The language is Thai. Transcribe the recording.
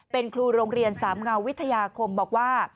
เป็นครูโรงเรียนสามเงาวิทยาคมบอกว่า